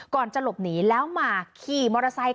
ก่อนจะหลบหนีแล้วมาขี่มอเตอร์ไซค์